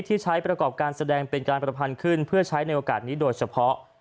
ที่ใช้ประกอบการแสดงเป็นการประพันธ์ขึ้นเพื่อใช้ในโอกาสนี้โดยเฉพาะ